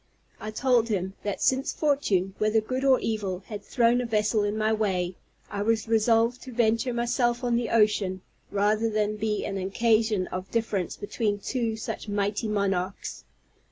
I told him, that since fortune, whether good or evil, had thrown a vessel in my way, I was resolved to venture myself on the ocean rather than be an occasion of difference between two such mighty monarchs.